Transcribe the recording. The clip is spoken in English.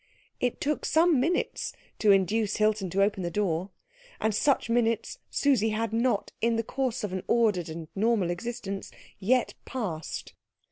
It took some minutes to induce Hilton to open the door, and such minutes Susie had not, in the course of an ordered and normal existence, yet passed.